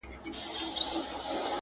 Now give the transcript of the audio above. د ها بل يوه لكۍ وه سل سرونه،